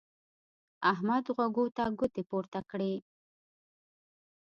احمد غوږو ته ګوتې پورته کړې.